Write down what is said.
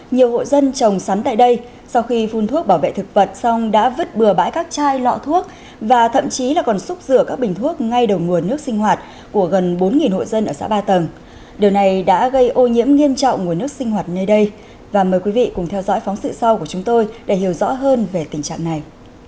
nhiều hộ dân trồng sắn tại đây sau khi phun thuốc bảo vệ thực vật xong đã vứt bừa bãi các chai lọ thuốc và thậm chí là còn xúc rửa các bình thuốc ngay đầu nguồn nước sinh hoạt của gần bốn hộ dân ở xã ba tầng điều này đã gây ô nhiễm nghiêm trọng nguồn nước sinh hoạt nơi đây và mời quý vị cùng theo dõi phóng sự sau của chúng tôi để hiểu rõ hơn về tình trạng này